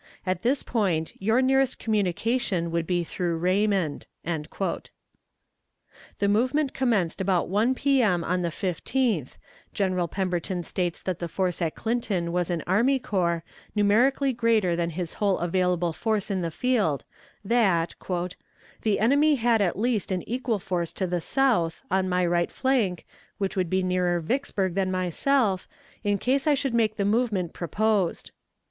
At this point your nearest communication would be through Raymond." The movement commenced about 1 P.M. on the 15th, General Pemberton states that the force at Clinton was an army corps, numerically greater than his whole available force in the field; that "The enemy had at least an equal force to the south, on my right flank, which would be nearer Vicksburg than myself, in case I should make the movement proposed.